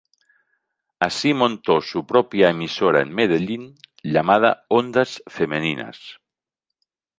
Así montó su propia emisora en Medellín, llamada "Ondas Femeninas".